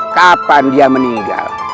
kapan dia meninggal